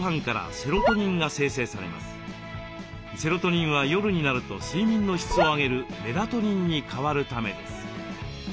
セロトニンは夜になると睡眠の質を上げるメラトニンに変わるためです。